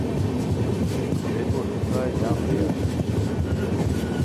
ریکو ہے کائے جام رے اسور